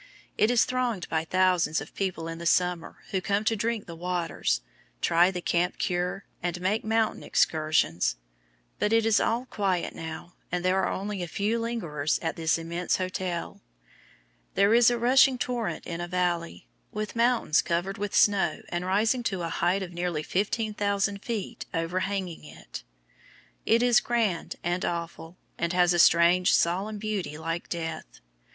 It is thronged by thousands of people in the summer who come to drink the waters, try the camp cure, and make mountain excursions; but it is all quiet now, and there are only a few lingerers in this immense hotel. There is a rushing torrent in a valley, with mountains, covered with snow and rising to a height of nearly 15,000 feet, overhanging it. It is grand and awful, and has a strange, solemn beauty like death.